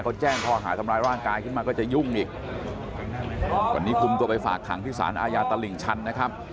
ก็แจ้งข้อหาทำร้ายร่างกายขึ้นมาก็จะยุ่งอีกวันนี้คุมตัวไปฝากขังที่สารอาญาตลิ่งชันนะครับ